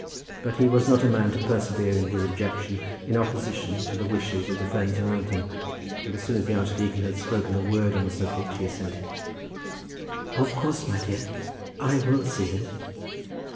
But he was not a man to persevere in his objection in opposition to the wishes of the friends around him; and as soon as the archdeacon had spoken a word on the subject he assented. "Of course, my dear, I will see him."